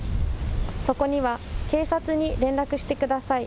そこには警察に連絡してください。